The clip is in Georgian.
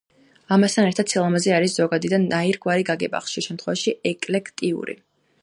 ამასთან ერთად, სილამაზე არის ზოგადი და ნაირგვარი გაგება, ხშირ შემთხვევაში ეკლექტიკური.